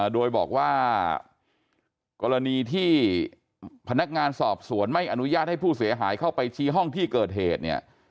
โดยบอกว่ากรณีที่พนักงานสอบสวนไม่อนุญาตให้ผู้เสียหายเข้าไปชี้ห้องที่เกิดเหตุเนี่ย